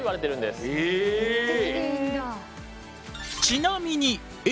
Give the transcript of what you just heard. ちなみにＡ。